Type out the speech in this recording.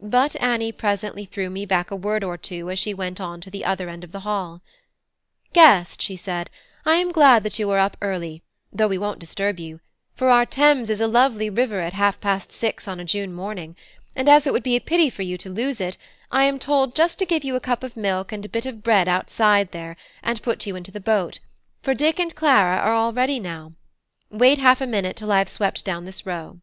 But Annie presently threw me back a word or two as she went on to the other end of the hall: "Guest," she said, "I am glad that you are up early, though we wouldn't disturb you; for our Thames is a lovely river at half past six on a June morning: and as it would be a pity for you to lose it, I am told just to give you a cup of milk and a bit of bread outside there, and put you into the boat: for Dick and Clara are all ready now. Wait half a minute till I have swept down this row."